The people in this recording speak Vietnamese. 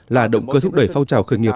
là động cơ thúc đẩy phong trào khởi nghiệp